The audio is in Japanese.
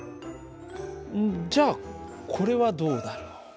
じゃあこれはどうだろう？